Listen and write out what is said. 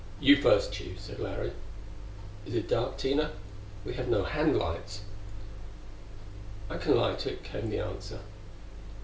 "You first, Tugh," said Larry. "Is it dark, Tina? We have no handlights." "I can light it," came the answer.